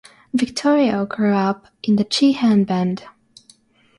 Victorio grew up in the Chihenne band.